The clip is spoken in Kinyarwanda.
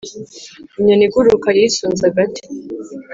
Inyoni iguruka yisunze agati.